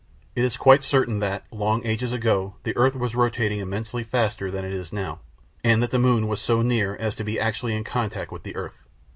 It is quite certain that, long ages ago, the earth was rotating immensely faster than it is now, and that the moon was so near as to be actually in contact with the earth.